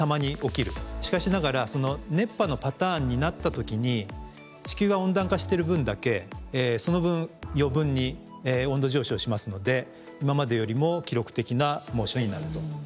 しかしながらその熱波のパターンになったときに地球が温暖化してる分だけその分余分に温度上昇しますので今までよりも記録的な猛暑になると。